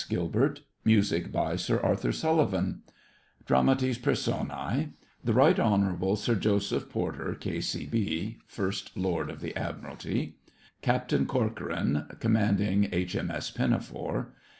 Gilbert Music by Sir Arthur Sullivan DRAMATIS PERSONAE THE RT.HON SIR JOSEPH PORTER, K.C.B. (First Lord of the Admiralty). CAPTAIN CORCORAN (Commanding H.M.S. Pinafore).